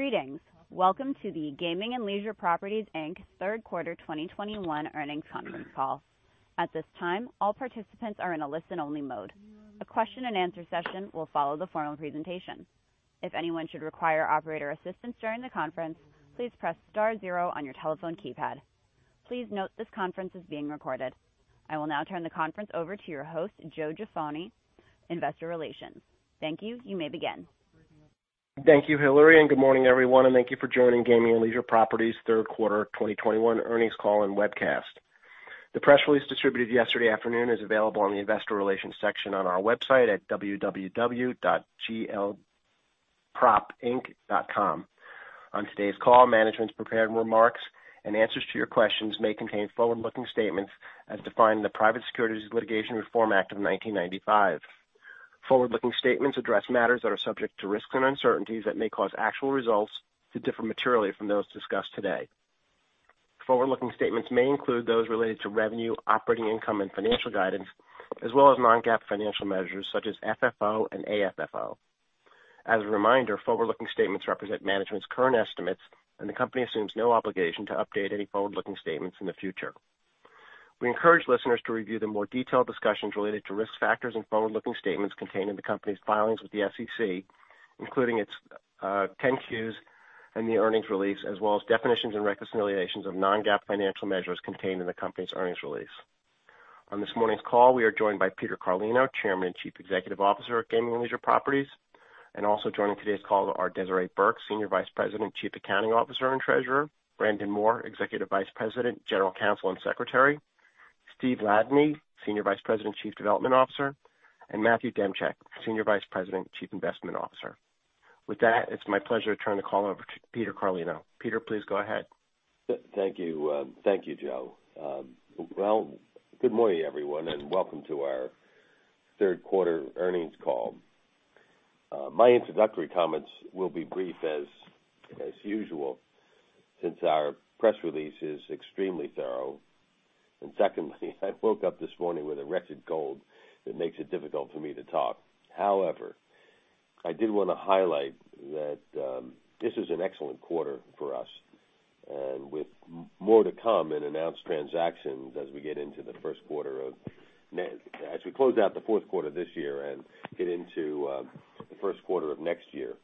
Greetings. Welcome to the Gaming and Leisure Properties, Inc. third quarter 2021 earnings conference call. At this time, all participants are in a listen only mode. A question and answer session will follow the formal presentation. If anyone should require operator assistance during the conference, please press star zero on your telephone keypad. Please note this conference is being recorded. I will now turn the conference over to your host, Joe Jaffoni, Investor Relations. Thank you. You may begin. Thank you, Hillary, and good morning, everyone, and thank you for joining Gaming and Leisure Properties third quarter 2021 earnings call and webcast. The press release distributed yesterday afternoon is available on the investor relations section on our website at www.glpropinc.com. On today's call, management's prepared remarks and answers to your questions may contain forward-looking statements as defined in the Private Securities Litigation Reform Act of 1995. Forward-looking statements address matters that are subject to risks and uncertainties that may cause actual results to differ materially from those discussed today. Forward-looking statements may include those related to revenue, operating income and financial guidance, as well as non-GAAP financial measures such as FFO and AFFO. As a reminder, forward-looking statements represent management's current estimates and the company assumes no obligation to update any forward-looking statements in the future. We encourage listeners to review the more detailed discussions related to risk factors and forward-looking statements contained in the company's filings with the SEC, including its 10-Qs and the earnings release, as well as definitions and reconciliations of non-GAAP financial measures contained in the company's earnings release. On this morning's call, we are joined by Peter Carlino, Chairman and Chief Executive Officer of Gaming and Leisure Properties, and also joining today's call are Desiree Burke, Senior Vice President, Chief Accounting Officer and Treasurer, Brandon Moore, Executive Vice President, General Counsel and Secretary, Steve Ladany, Senior Vice President, Chief Development Officer, and Matthew Demchyk, Senior Vice President, Chief Investment Officer. With that, it's my pleasure to turn the call over to Peter Carlino. Peter, please go ahead. Thank you, Joe. Well, good morning, everyone, and welcome to our third quarter earnings call. My introductory comments will be brief as usual since our press release is extremely thorough. Secondly, I woke up this morning with a wretched cold that makes it difficult for me to talk. However, I did wanna highlight that this is an excellent quarter for us and with more to come in announced transactions as we close out the fourth quarter this year and get into the first quarter of next year.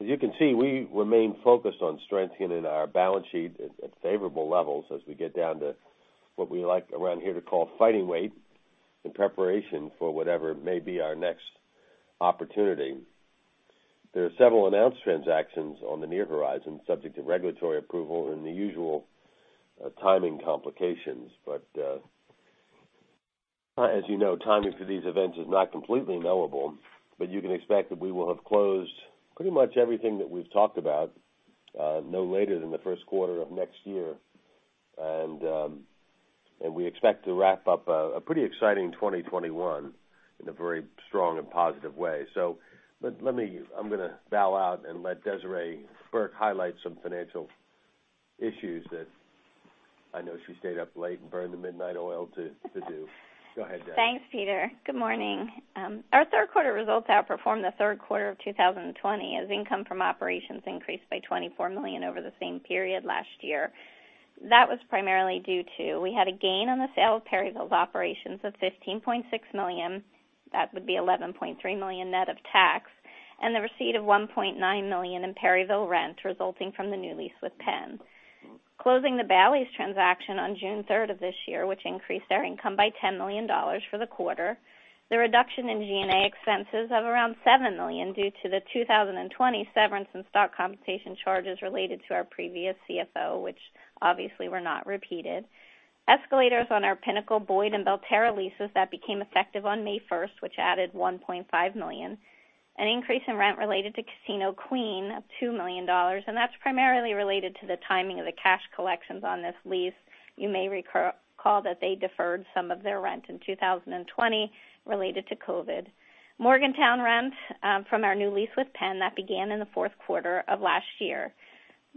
As you can see, we remain focused on strengthening our balance sheet at favorable levels as we get down to what we like around here to call fighting weight in preparation for whatever may be our next opportunity. There are several announced transactions on the near horizon, subject to regulatory approval and the usual timing complications. As you know, timing for these events is not completely knowable, but you can expect that we will have closed pretty much everything that we've talked about, no later than the first quarter of next year. We expect to wrap up a pretty exciting 2021 in a very strong and positive way. Let me bow out and let Desiree Burke highlight some financial issues that I know she stayed up late and burned the midnight oil to do. Go ahead, Desiree. Thanks, Peter. Good morning. Our third quarter results outperformed the third quarter of 2020 as income from operations increased by $24 million over the same period last year. That was primarily due to we had a gain on the sale of Perryville's operations of $15.6 million. That would be $11.3 million net of tax. The receipt of $1.9 million in Perryville rent resulting from the new lease with Penn. Closing the Bally's transaction on June 3rd of this year, which increased our income by $10 million for the quarter. The reduction in G&A expenses of around $7 million due to the 2020 severance and stock compensation charges related to our previous CFO, which obviously were not repeated. Escalators on our Pinnacle, Boyd and Belterra leases that became effective on May 1st, which added $1.5 million. An increase in rent related to Casino Queen of $2 million, and that's primarily related to the timing of the cash collections on this lease. You may recall that they deferred some of their rent in 2020 related to COVID. Morgantown rent from our new lease with Penn that began in the fourth quarter of last year.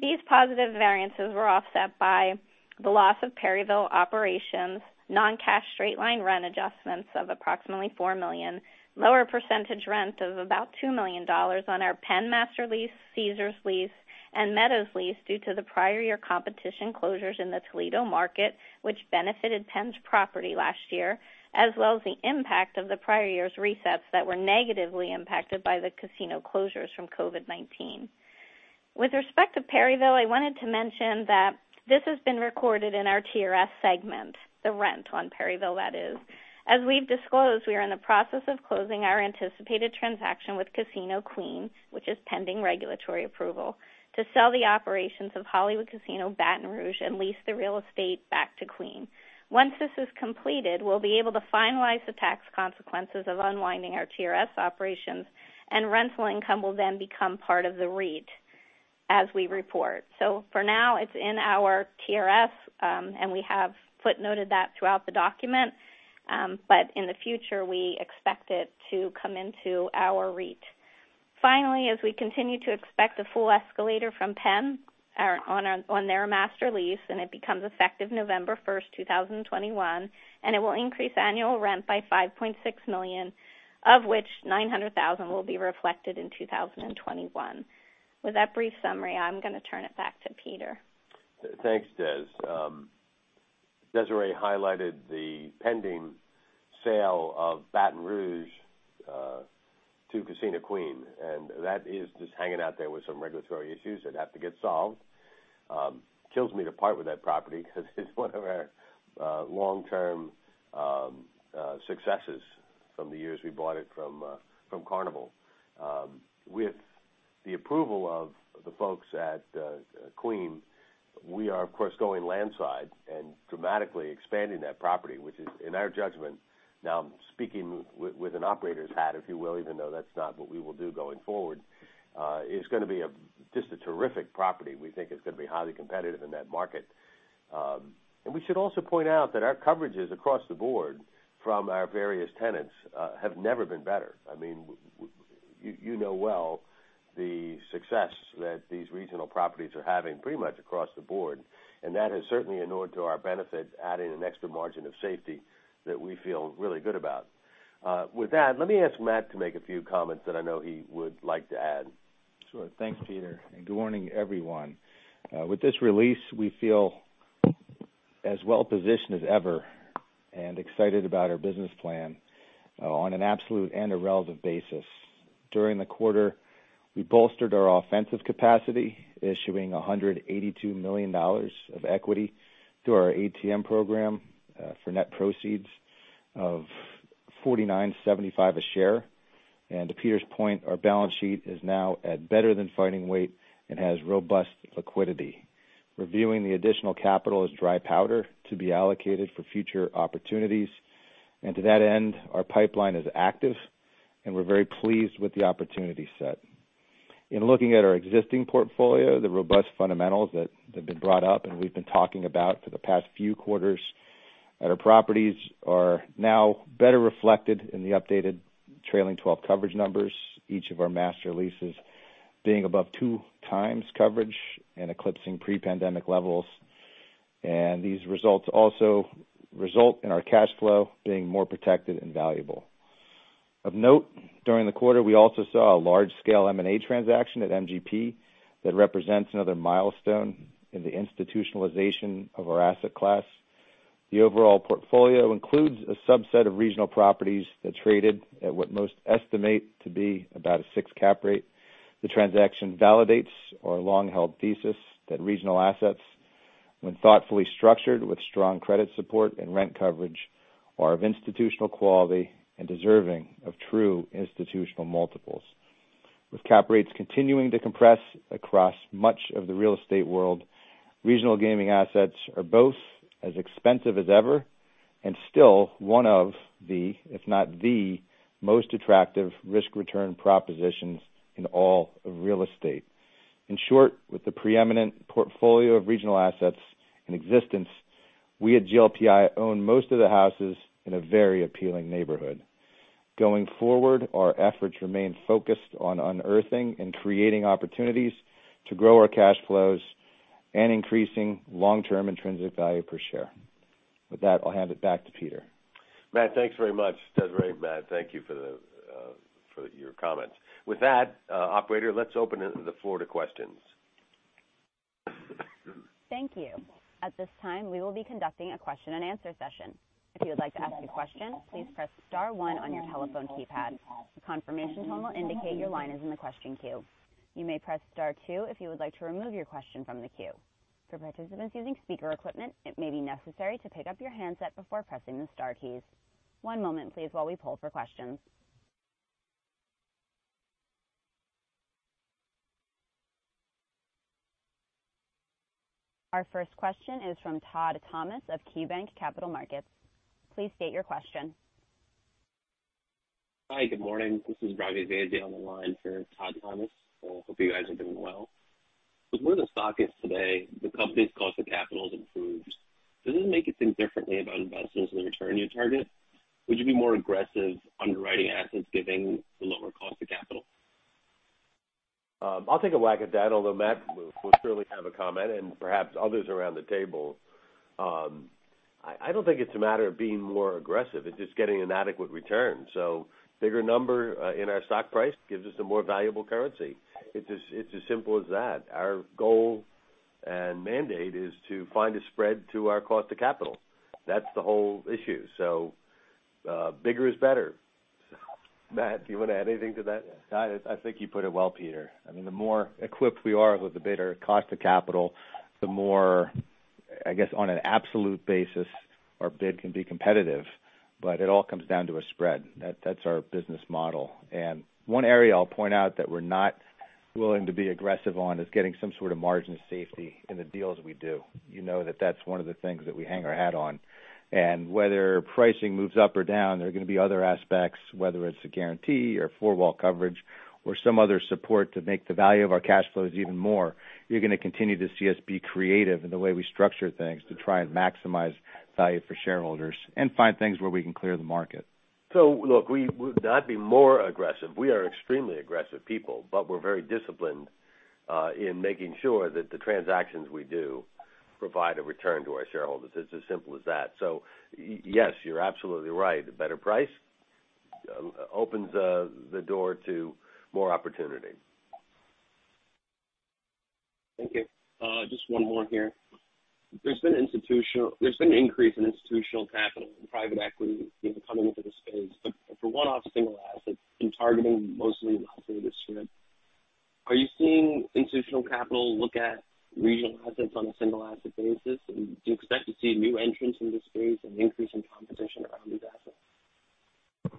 These positive variances were offset by the loss of Perryville operations, non-cash straight-line rent adjustments of approximately $4 million, lower percentage rent of about $2 million on our Penn master lease, Caesars lease, and Meadows lease due to the prior year competition closures in the Toledo market, which benefited Penn's property last year, as well as the impact of the prior year's resets that were negatively impacted by the casino closures from COVID-19. With respect to Perryville, I wanted to mention that this has been recorded in our TRS segment, the rent on Perryville, that is. As we've disclosed, we are in the process of closing our anticipated transaction with Casino Queen, which is pending regulatory approval to sell the operations of Hollywood Casino Baton Rouge and lease the real estate back to Queen. Once this is completed, we'll be able to finalize the tax consequences of unwinding our TRS operations and rental income will then become part of the REIT as we report. For now, it's in our TRS, and we have footnoted that throughout the document. But in the future, we expect it to come into our REIT. Finally, as we continue to expect a full escalator from Penn on their master lease, and it becomes effective November 1st, 2021, and it will increase annual rent by $5.6 million, of which $900,000 will be reflected in 2021. With that brief summary, I'm gonna turn it back to Peter. Thanks, Des. Desiree highlighted the pending sale of Baton Rouge to Casino Queen, and that is just hanging out there with some regulatory issues that have to get solved. Kills me to part with that property because it's one of our long-term successes from the years we bought it from Carnival. With the approval of the folks at Queen, we are, of course, going landside and dramatically expanding that property, which is, in our judgment, now speaking with an operator's hat, if you will, even though that's not what we will do going forward, is gonna be just a terrific property. We think it's gonna be highly competitive in that market. We should also point out that our coverages across the board from our various tenants have never been better. I mean, you know well the success that these regional properties are having pretty much across the board, and that has certainly inured to our benefit, adding an extra margin of safety that we feel really good about. With that, let me ask Matt to make a few comments that I know he would like to add. Sure. Thanks, Peter, and good morning, everyone. With this release, we feel as well-positioned as ever and excited about our business plan on an absolute and a relative basis. During the quarter, we bolstered our offensive capacity, issuing $182 million of equity through our ATM program, for net proceeds of $49.75 a share. To Peter's point, our balance sheet is now at better than fighting weight and has robust liquidity. We're viewing the additional capital as dry powder to be allocated for future opportunities. To that end, our pipeline is active, and we're very pleased with the opportunity set. In looking at our existing portfolio, the robust fundamentals that have been brought up and we've been talking about for the past few quarters at our properties are now better reflected in the updated trailing twelve coverage numbers, each of our master leases being above 2x coverage and eclipsing pre-pandemic levels. These results also result in our cash flow being more protected and valuable. Of note, during the quarter, we also saw a large-scale M&A transaction at MGP that represents another milestone in the institutionalization of our asset class. The overall portfolio includes a subset of regional properties that traded at what most estimate to be about a six cap rate. The transaction validates our long-held thesis that regional assets, when thoughtfully structured with strong credit support and rent coverage, are of institutional quality and deserving of true institutional multiples. With cap rates continuing to compress across much of the real estate world, regional gaming assets are both as expensive as ever and still one of the, if not the, most attractive risk-return propositions in all of real estate. In short, with the preeminent portfolio of regional assets in existence, we at GLPI own most of the houses in a very appealing neighborhood. Going forward, our efforts remain focused on unearthing and creating opportunities to grow our cash flows and increasing long-term intrinsic value per share. With that, I'll hand it back to Peter. Matt, thanks very much. Desiree, Matt, thank you for your comments. With that, operator, let's open it to the floor to questions. Thank you. At this time, we will be conducting a question-and-answer session. If you would like to ask a question, please press star one on your telephone keypad. A confirmation tone will indicate your line is in the question queue. You may press star two if you would like to remove your question from the queue. For participants using speaker equipment, it may be necessary to pick up your handset before pressing the star keys. One moment, please, while we poll for questions. Our first question is from Todd Thomas of KeyBanc Capital Markets. Please state your question. Hi, good morning. This is Ravi Vaidya on the line for Todd Thomas. I hope you guys are doing well. With where the stock is today, the company's cost of capital has improved. Does it make you think differently about investments and the return you target? Would you be more aggressive underwriting assets given the lower cost of capital? I'll take a whack at that, although Matt will surely have a comment and perhaps others around the table. I don't think it's a matter of being more aggressive, it's just getting an adequate return. Bigger number in our stock price gives us a more valuable currency. It's as simple as that. Our goal and mandate is to find a spread to our cost of capital. That's the whole issue. Bigger is better. Matt, do you want to add anything to that? I think you put it well, Peter. I mean, the more equipped we are with the better cost of capital, the more, I guess on an absolute basis, our bid can be competitive, but it all comes down to a spread. That's our business model. One area I'll point out that we're not willing to be aggressive on is getting some sort of margin of safety in the deals we do. You know that's one of the things that we hang our hat on. Whether pricing moves up or down, there are gonna be other aspects, whether it's a guarantee or four-wall coverage or some other support to make the value of our cash flows even more. You're gonna continue to see us be creative in the way we structure things to try and maximize value for shareholders and find things where we can clear the market. Look, we would not be more aggressive. We are extremely aggressive people, but we're very disciplined in making sure that the transactions we do provide a return to our shareholders. It's as simple as that. Yes, you're absolutely right. A better price opens the door to more opportunity. Thank you. Just one more here. There's been an increase in institutional capital and private equity, you know, coming into the space. For one-off single assets and targeting mostly the alternative stream, are you seeing institutional capital look at regional assets on a single asset basis? Do you expect to see new entrants in this space and increase in competition around these assets?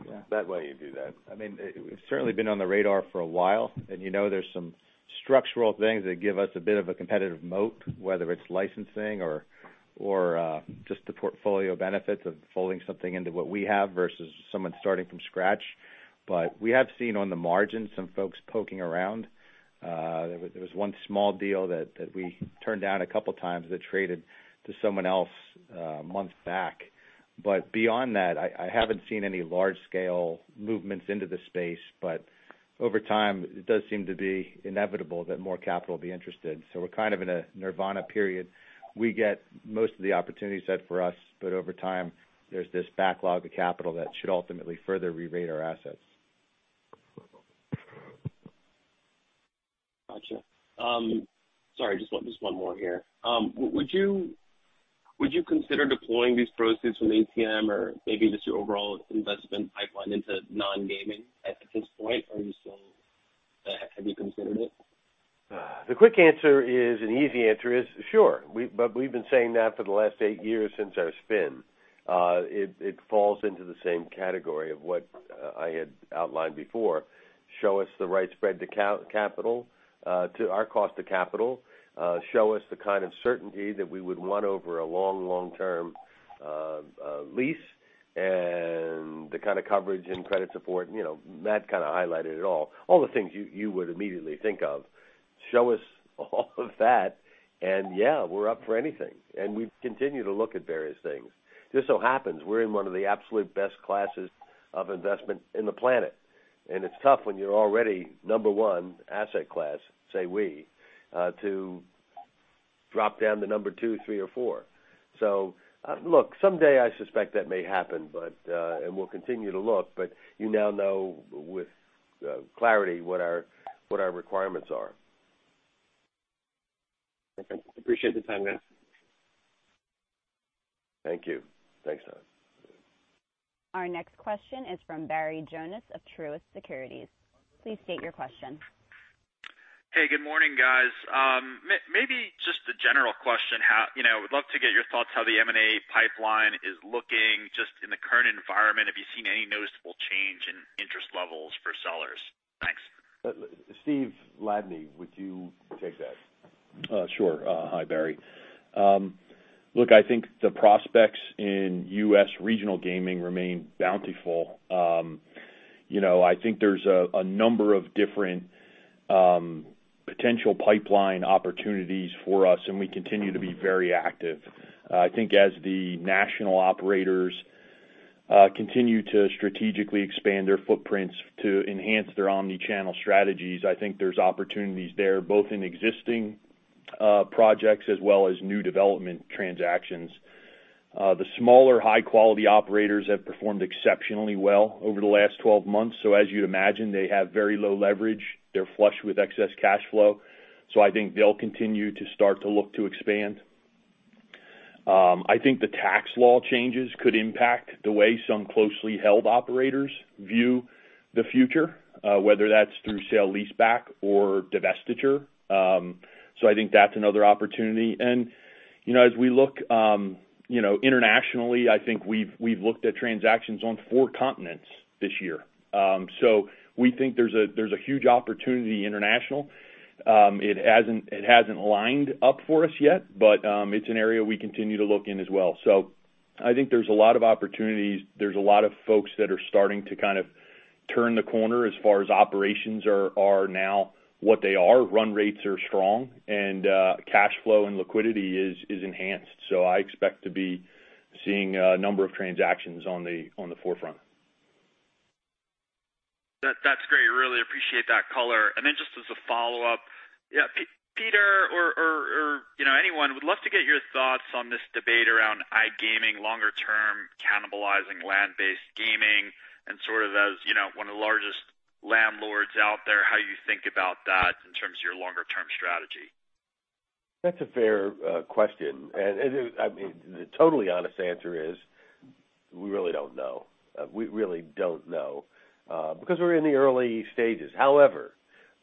Yeah, that way you do that. I mean, it's certainly been on the radar for a while, and you know, there's some structural things that give us a bit of a competitive moat, whether it's licensing or just the portfolio benefits of folding something into what we have versus someone starting from scratch. We have seen on the margin some folks poking around. There was one small deal that we turned down a couple times that traded to someone else a month back. Beyond that, I haven't seen any large scale movements into the space, but over time, it does seem to be inevitable that more capital will be interested. We're kind of in a nirvana period. We get most of the opportunity set for us, but over time, there's this backlog of capital that should ultimately further rerate our assets. Gotcha. Sorry, just one more here. Would you consider deploying these proceeds from ATM or maybe just your overall investment pipeline into non-gaming at this point? Have you considered it? The quick answer is, an easy answer is, sure. We've been saying that for the last eight years since our spin. It falls into the same category of what I had outlined before. Show us the right spread to capital to our cost of capital, show us the kind of certainty that we would want over a long-term lease and the kind of coverage and credit support, you know, Matt kind of highlighted it all, the things you would immediately think of. Show us all of that and, yeah, we're up for anything. We continue to look at various things. Just so happens we're in one of the absolute best classes of investment in the planet. It's tough when you're already number one asset class, say we, to drop down to number two, three or four. Look, someday, I suspect that may happen, but, and we'll continue to look, but you now know with clarity what our requirements are. Okay. Appreciate the time, guys. Thank you. Thanks, Don. Our next question is from Barry Jonas of Truist Securities. Please state your question. Hey, good morning, guys. Maybe just a general question. How, you know, would love to get your thoughts on how the M&A pipeline is looking just in the current environment. Have you seen any noticeable change in interest levels for sellers? Thanks. Steve Ladany, would you take that? Sure. Hi, Barry. Look, I think the prospects in U.S. regional gaming remain bountiful. You know, I think there's a number of different potential pipeline opportunities for us, and we continue to be very active. I think as the national operators continue to strategically expand their footprints to enhance their omni-channel strategies, I think there's opportunities there, both in existing projects as well as new development transactions. The smaller high quality operators have performed exceptionally well over the last 12 months. As you'd imagine, they have very low leverage. They're flush with excess cash flow. I think they'll continue to start to look to expand. I think the tax law changes could impact the way some closely held operators view the future, whether that's through sale leaseback or divestiture. I think that's another opportunity. You know, as we look internationally, I think we've looked at transactions on four continents this year. We think there's a huge opportunity international. It hasn't lined up for us yet, but it's an area we continue to look in as well. I think there's a lot of opportunities. There's a lot of folks that are starting to kind of turn the corner as far as operations are now what they are. Run rates are strong and cash flow and liquidity is enhanced. I expect to be seeing a number of transactions on the forefront. That, that's great. Really appreciate that color. Just as a follow-up, yeah, Peter or, you know, anyone, would love to get your thoughts on this debate around iGaming longer term cannibalizing land-based gaming and sort of as, you know, one of the largest landlords out there, how you think about that in terms of your longer term strategy? That's a fair question. I mean, the totally honest answer is we really don't know. We really don't know because we're in the early stages. However,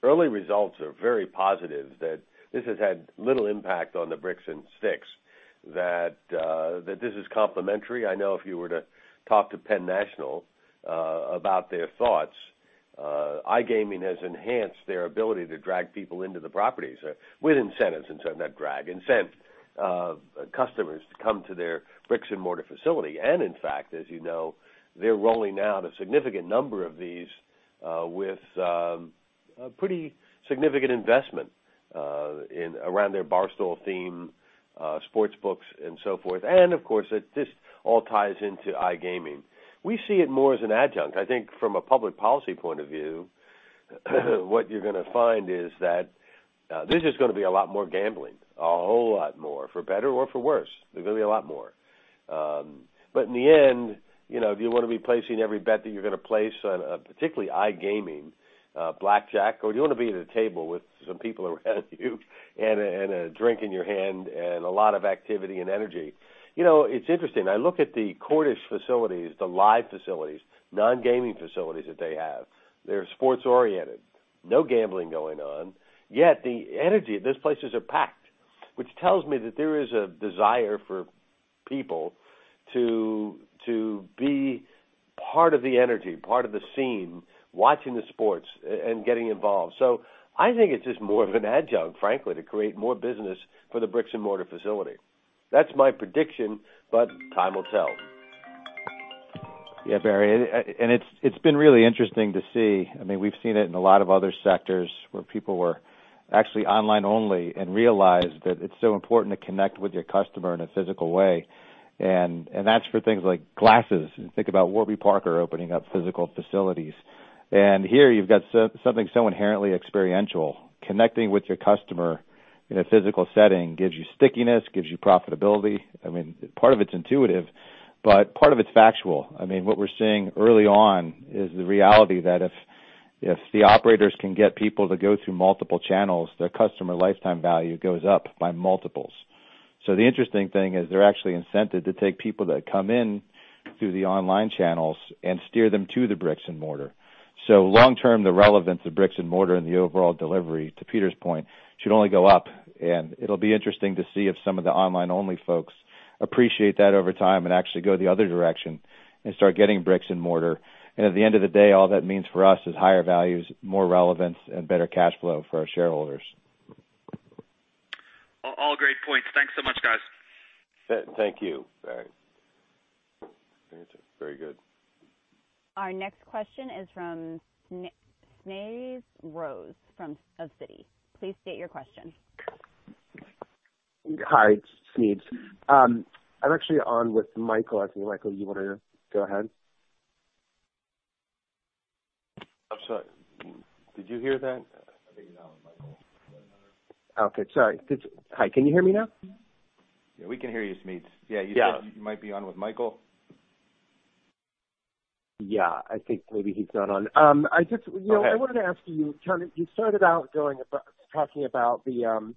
early results are very positive that this has had little impact on the bricks and sticks, that this is complementary. I know if you were to talk to Penn National about their thoughts, iGaming has enhanced their ability to drag people into the properties with incentives, and so not drag, incent customers to come to their bricks-and-mortar facility. In fact, as you know, they're rolling out a significant number of these with a pretty significant investment in around their Barstool theme, sports books and so forth. Of course, it just all ties into iGaming. We see it more as an adjunct. I think from a public policy point of view, what you're gonna find is that. Now, there's just gonna be a lot more gambling, a whole lot more, for better or for worse. There's gonna be a lot more. In the end, you know, if you wanna be placing every bet that you're gonna place on, particularly iGaming, blackjack, or you wanna be at a table with some people around you and a drink in your hand and a lot of activity and energy. You know, it's interesting. I look at the Cordish facilities, the live facilities, non-gaming facilities that they have. They're sports-oriented, no gambling going on, yet the energy, those places are packed, which tells me that there is a desire for people to be part of the energy, part of the scene, watching the sports and getting involved. I think it's just more of an adjunct, frankly, to create more business for the bricks-and-mortar facility. That's my prediction, but time will tell. Yeah, Barry. It's been really interesting to see. I mean, we've seen it in a lot of other sectors where people were actually online only and realized that it's so important to connect with your customer in a physical way. That's for things like glasses. You think about Warby Parker opening up physical facilities. Here, you've got something so inherently experiential. Connecting with your customer in a physical setting gives you stickiness, gives you profitability. I mean, part of it's intuitive, but part of it's factual. I mean, what we're seeing early on is the reality that if the operators can get people to go through multiple channels, their customer lifetime value goes up by multiples. The interesting thing is they're actually incented to take people that come in through the online channels and steer them to the bricks and mortar. Long term, the relevance of bricks and mortar in the overall delivery, to Peter's point, should only go up. It'll be interesting to see if some of the online-only folks appreciate that over time and actually go the other direction and start getting bricks and mortar. At the end of the day, all that means for us is higher values, more relevance, and better cash flow for our shareholders. All great points. Thanks so much, guys. Thank you, Barry. Very good. Our next question is from Smedes Rose of Citi. Please state your question. Hi, it's Smedes. I'm actually on with Michael. I think, Michael, you wanna go ahead? I'm sorry. Did you hear that? I think you're now with Michael. Okay. Sorry. Hi, can you hear me now? Yeah, we can hear you, Smedes. Yeah. Yeah, you said you might be on with Michael? Yeah. I think maybe he's not on. I just, you know- Okay. I wanted to ask you, kind of you started out going, talking about the,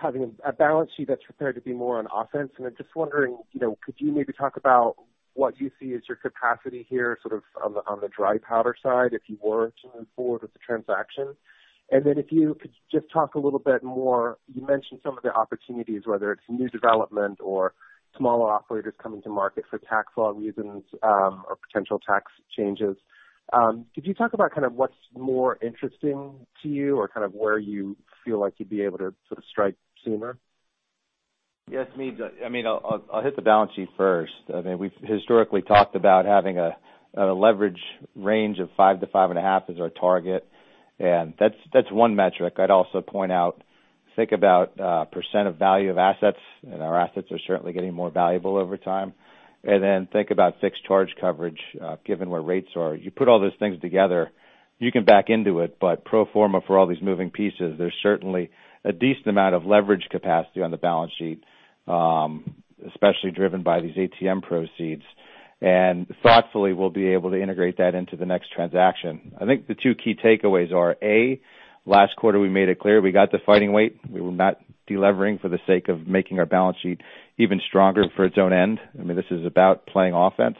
having a balance sheet that's prepared to be more on offense. I'm just wondering, you know, could you maybe talk about what you see as your capacity here, sort of on the dry powder side if you were to move forward with the transaction? Then if you could just talk a little bit more, you mentioned some of the opportunities, whether it's new development or smaller operators coming to market for tax law reasons, or potential tax changes. Could you talk about kind of what's more interesting to you or kind of where you feel like you'd be able to sort of strike sooner? Yeah, Smedes. I mean, I'll hit the balance sheet first. I mean, we've historically talked about having a leverage range of 5-5.5 as our target, and that's one metric. I'd also point out, think about % of value of assets, and our assets are certainly getting more valuable over time. Then think about fixed charge coverage, given where rates are. You put all those things together, you can back into it, but pro forma for all these moving pieces, there's certainly a decent amount of leverage capacity on the balance sheet, especially driven by these ATM proceeds. Thoughtfully, we'll be able to integrate that into the next transaction. I think the two key takeaways are, A, last quarter, we made it clear we got the fighting weight. We were not de-levering for the sake of making our balance sheet even stronger for its own end. I mean, this is about playing offense.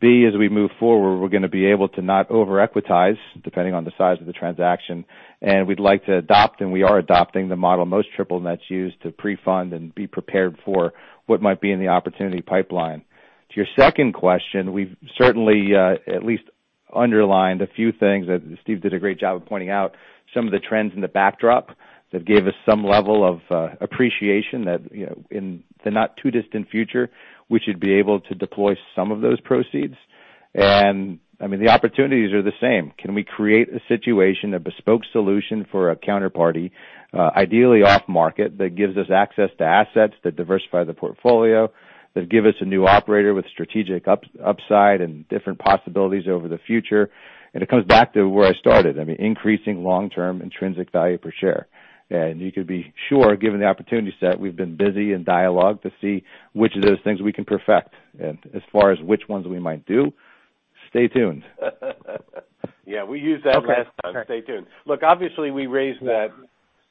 B, as we move forward, we're gonna be able to not over-equitize, depending on the size of the transaction. We'd like to adopt, and we are adopting the model most triple nets use to pre-fund and be prepared for what might be in the opportunity pipeline. To your second question, we've certainly at least underlined a few things that Steve did a great job of pointing out some of the trends in the backdrop that gave us some level of appreciation that, you know, in the not too distant future, we should be able to deploy some of those proceeds. I mean, the opportunities are the same. Can we create a situation, a bespoke solution for a counterparty, ideally off market, that gives us access to assets that diversify the portfolio, that give us a new operator with strategic upside and different possibilities over the future? It comes back to where I started. I mean, increasing long-term intrinsic value per share. You could be sure, given the opportunity set, we've been busy in dialogue to see which of those things we can perfect. As far as which ones we might do, stay tuned. Yeah. We used that last time. Okay. All right. Stay tuned. Look, obviously, we raised that,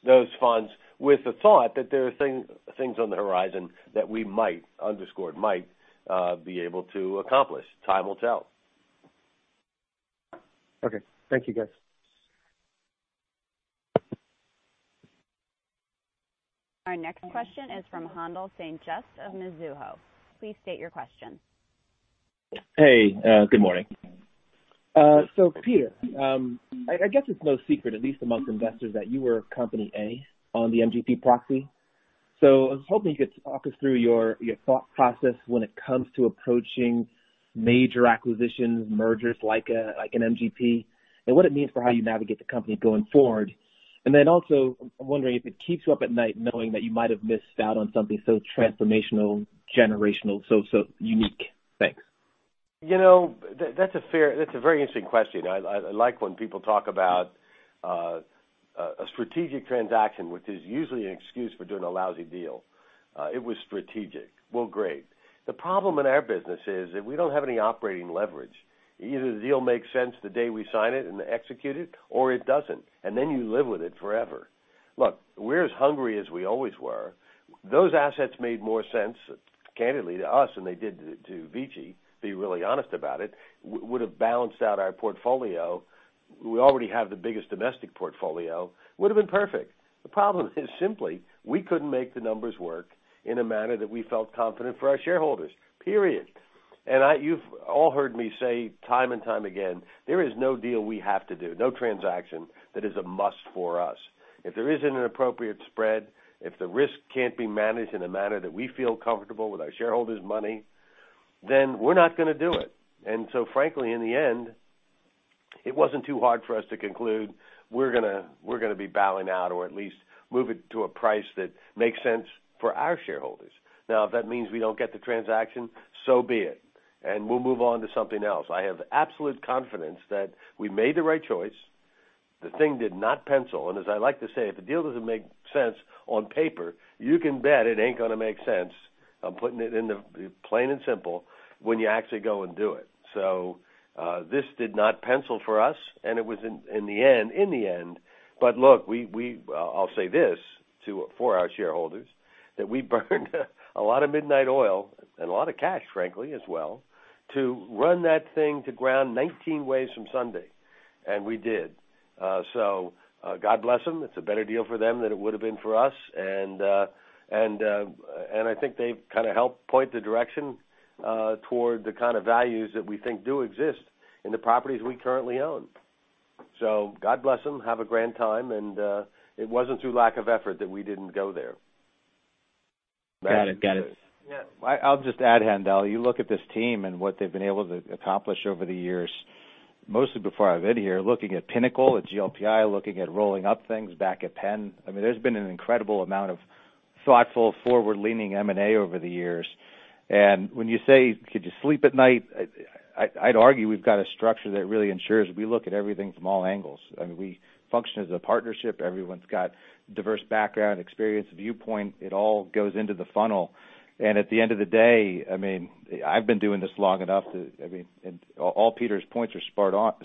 those funds with the thought that there are things on the horizon that we might be able to accomplish. Time will tell. Okay. Thank you, guys. Our next question is from Haendel St. Juste of Mizuho. Please state your question. Hey, good morning. Peter, I guess it's no secret, at least amongst investors, that you were company A on the MGP proxy. I was hoping you could talk us through your thought process when it comes to approaching major acquisitions, mergers like an MGP, and what it means for how you navigate the company going forward. Also, I'm wondering if it keeps you up at night knowing that you might have missed out on something so transformational, generational, so unique. Thanks. You know, that's a very interesting question. I like when people talk about a strategic transaction, which is usually an excuse for doing a lousy deal. It was strategic. Well, great. The problem in our business is that we don't have any operating leverage. Either the deal makes sense the day we sign it and execute it or it doesn't, and then you live with it forever. Look, we're as hungry as we always were. Those assets made more sense, candidly, to us than they did to VICI, to be really honest about it. Would have balanced out our portfolio. We already have the biggest domestic portfolio. Would have been perfect. The problem is simply we couldn't make the numbers work in a manner that we felt confident for our shareholders, period. You've all heard me say time and time again, there is no deal we have to do, no transaction that is a must for us. If there isn't an appropriate spread, if the risk can't be managed in a manner that we feel comfortable with our shareholders' money, then we're not gonna do it. Frankly, in the end, it wasn't too hard for us to conclude we're gonna be bowing out or at least move it to a price that makes sense for our shareholders. Now, if that means we don't get the transaction, so be it, and we'll move on to something else. I have absolute confidence that we made the right choice. The thing did not pencil, and as I like to say, if a deal doesn't make sense on paper, you can bet it ain't gonna make sense, I'm putting it in the plain and simple, when you actually go and do it. This did not pencil for us, and it was in the end. Look, I'll say this for our shareholders, that we burned a lot of midnight oil and a lot of cash, frankly, as well, to run that thing to ground 19 ways from Sunday, and we did. God bless them. It's a better deal for them than it would've been for us. I think they've kind of helped point the direction toward the kind of values that we think do exist in the properties we currently own. God bless them. Have a grand time, and it wasn't through lack of effort that we didn't go there. Got it. Yes. I'll just add, Haendel, you look at this team and what they've been able to accomplish over the years, mostly before I've been here, looking at Pinnacle, at GLPI, looking at rolling up things back at Penn. I mean, there's been an incredible amount of thoughtful, forward-leaning M&A over the years. When you say, could you sleep at night, I'd argue we've got a structure that really ensures we look at everything from all angles. I mean, we function as a partnership. Everyone's got diverse background, experience, viewpoint. It all goes into the funnel. At the end of the day, I mean, I've been doing this long enough. I mean, all Peter's points are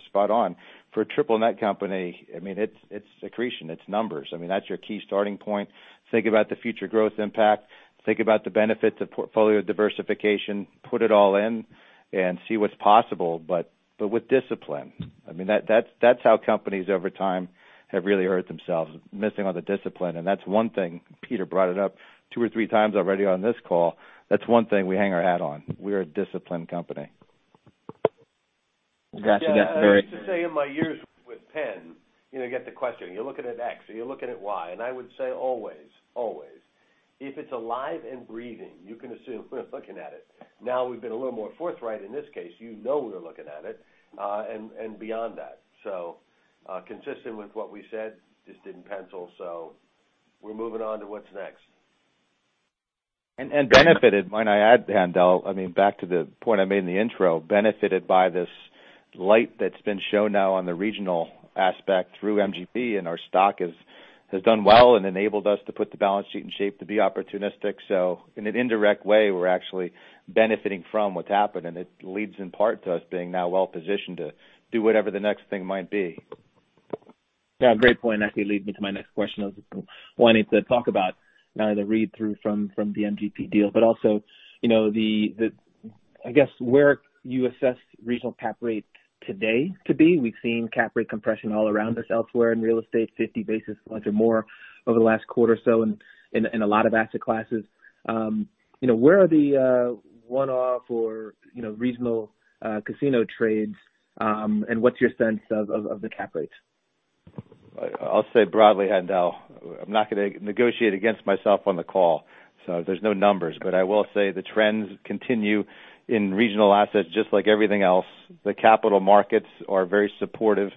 spot on. For a triple net company, I mean, it's accretion, it's numbers. I mean, that's your key starting point. Think about the future growth impact. Think about the benefits of portfolio diversification, put it all in and see what's possible, but with discipline. I mean, that's how companies over time have really hurt themselves, missing all the discipline. That's one thing, Peter brought it up two or three times already on this call. That's one thing we hang our hat on. We're a disciplined company. Got you. I used to say in my years with Penn, you know, you get the question, you're looking at X or you're looking at Y. I would say always, if it's alive and breathing, you can assume we're looking at it. Now, we've been a little more forthright in this case. You know we're looking at it, and beyond that. Consistent with what we said, just didn't pencil, so we're moving on to what's next. Benefited, might I add, Haendel, I mean, back to the point I made in the intro, benefited by this light that's been shown now on the regional aspect through MGP, and our stock has done well and enabled us to put the balance sheet in shape to be opportunistic. In an indirect way, we're actually benefiting from what's happened, and it leads in part to us being now well positioned to do whatever the next thing might be. Yeah, great point. Actually leads me to my next question. I was wanting to talk about not only the read-through from the MGP deal, but also, you know, I guess, where you assess regional cap rate today to be. We've seen cap rate compression all around us elsewhere in real estate, 50 basis points or more over the last quarter or so in a lot of asset classes. You know, where are the one-off or, you know, regional casino trades, and what's your sense of the cap rates? I'll say broadly, Haendel St. Juste, I'm not gonna negotiate against myself on the call, so there's no numbers. I will say the trends continue in regional assets just like everything else. The capital markets are very supportive,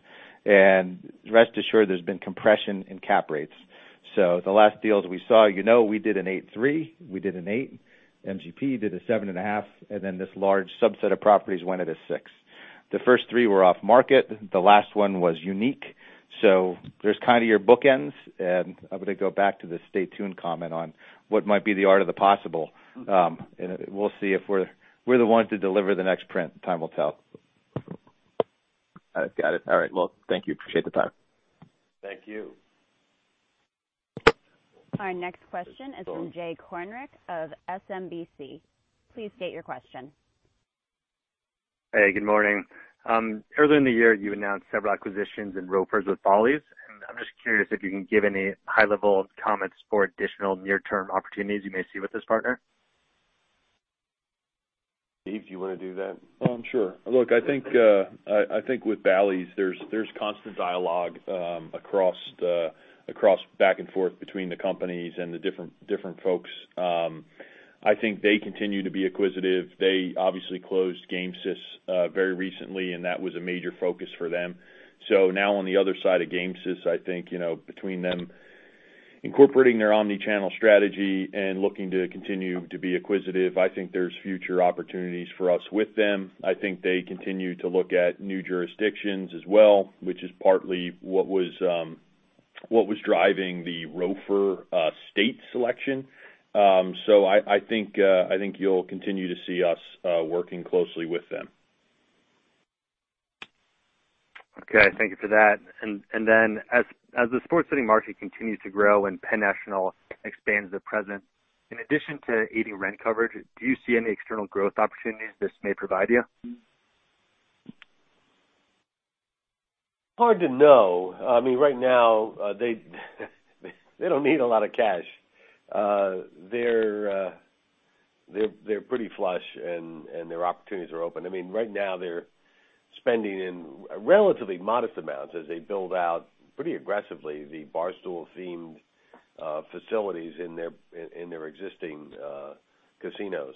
and rest assured there's been compression in cap rates. The last deals we saw, you know, we did an 8.3%, we did an 8%, MGP did a 7.5%, and then this large subset of properties went at a 6%. The first three were off market. The last one was unique. There's kind of your bookends. I'm gonna go back to the stay tuned comment on what might be the art of the possible. We'll see if we're the ones to deliver the next print. Time will tell. Got it. All right. Well, thank you. Appreciate the time. Thank you. Our next question is from Jay Kornreich of SMBC. Please state your question. Hey, good morning. Earlier in the year, you announced several acquisitions involving Bally's, and I'm just curious if you can give any high-level comments for additional near-term opportunities you may see with this partner. Steve, do you wanna do that? Sure. Look, I think with Bally's there's constant dialogue across back and forth between the companies and the different folks. I think they continue to be acquisitive. They obviously closed Gamesys very recently, and that was a major focus for them. Now on the other side of Gamesys, I think, you know, between them Incorporating their omni-channel strategy and looking to continue to be acquisitive, I think there's future opportunities for us with them. I think they continue to look at new jurisdictions as well, which is partly what was driving the state selection. I think you'll continue to see us working closely with them. Okay. Thank you for that. As the sports betting market continues to grow and Penn National expands the presence, in addition to aiding rent coverage, do you see any external growth opportunities this may provide you? Hard to know. I mean, right now, they don't need a lot of cash. They're pretty flush and their opportunities are open. I mean, right now they're spending in relatively modest amounts as they build out pretty aggressively the Barstool-themed facilities in their existing casinos.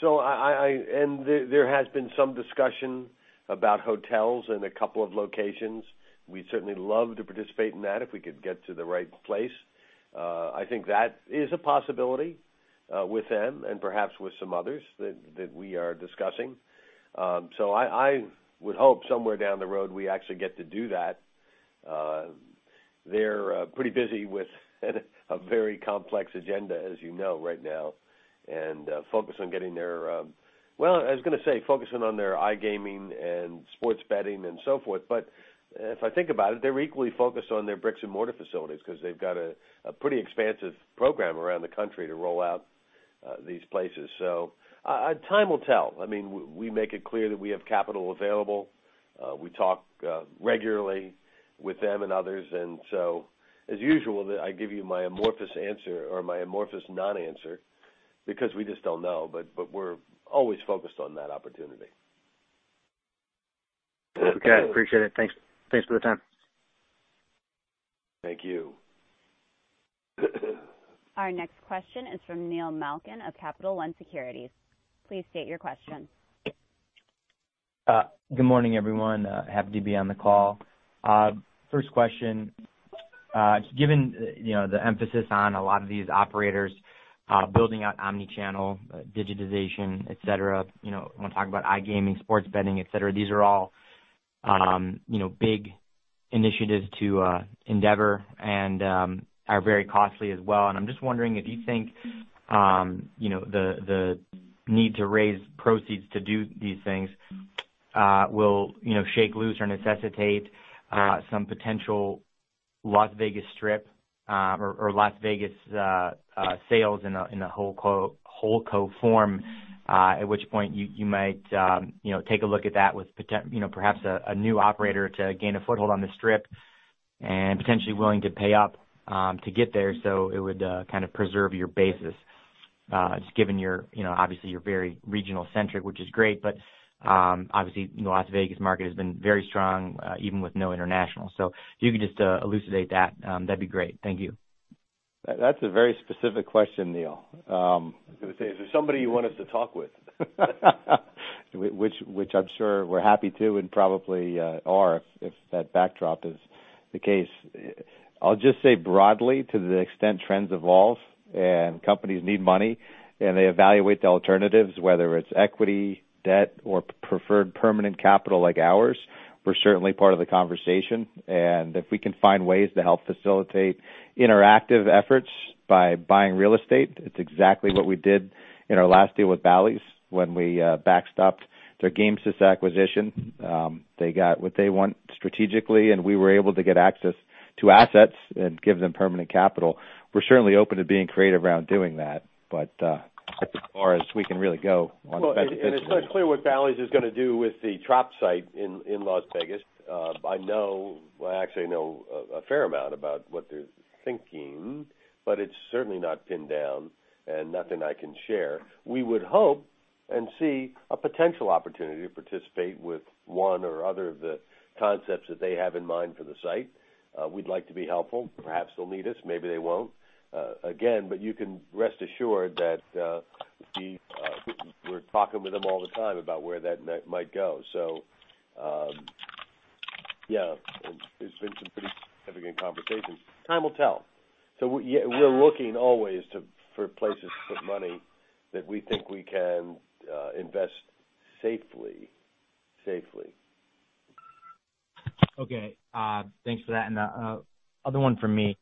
There has been some discussion about hotels in a couple of locations. We'd certainly love to participate in that if we could get to the right place. I think that is a possibility with them and perhaps with some others that we are discussing. I would hope somewhere down the road we actually get to do that. They're pretty busy with a very complex agenda, as you know, right now, and focused on getting their Well, I was gonna say focusing on their iGaming and sports betting and so forth, but if I think about it, they're equally focused on their bricks and mortar facilities because they've got a pretty expansive program around the country to roll out these places. Time will tell. I mean, we make it clear that we have capital available. We talk regularly with them and others. As usual, I give you my amorphous answer or my amorphous non-answer because we just don't know. But we're always focused on that opportunity. Okay. Appreciate it. Thanks. Thanks for the time. Thank you. Our next question is from Neil Malkin of Capital One Securities. Please state your question. Good morning, everyone. Happy to be on the call. First question, given you know the emphasis on a lot of these operators building out omni-channel, digitization, et cetera, you know, want to talk about iGaming, sports betting, et cetera. These are all, you know, big initiatives to endeavor and are very costly as well. I'm just wondering if you think, you know, the need to raise proceeds to do these things, will, you know, shake loose or necessitate, some potential Las Vegas Strip, or Las Vegas, sales in a wholesale form, at which point you might, you know, take a look at that with you know, perhaps a new operator to gain a foothold on the Strip and potentially willing to pay up, to get there. It would kind of preserve your basis, just given your, you know, obviously you're very regional centric, which is great, but, obviously Las Vegas market has been very strong, even with no international. If you could just elucidate that'd be great. Thank you. That's a very specific question, Neil. I was gonna say, is there somebody you want us to talk with? Which I'm sure we're happy to and probably are if that backdrop is the case. I'll just say broadly, to the extent trends evolve and companies need money and they evaluate the alternatives, whether it's equity, debt or preferred permanent capital like ours, we're certainly part of the conversation. If we can find ways to help facilitate interactive efforts by buying real estate, it's exactly what we did in our last deal with Bally's when we backstopped their Gamesys acquisition. They got what they want strategically, and we were able to get access to assets and give them permanent capital. We're certainly open to being creative around doing that, but that's as far as we can really go on a specific. It's not clear what Bally's is going to do with the Trop site in Las Vegas. I actually know a fair amount about what they're thinking, but it's certainly not pinned down and nothing I can share. We would hope and see a potential opportunity to participate with one or other of the concepts that they have in mind for the site. We'd like to be helpful. Perhaps they'll need us, maybe they won't. Again, you can rest assured that we're talking with them all the time about where that might go. It's been some pretty significant conversations. Time will tell. We're looking always for places to put money that we think we can invest safely. Okay. Thanks for that. Other one from me,